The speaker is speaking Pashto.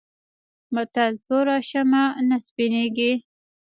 متل: توره شمه نه سپينېږي.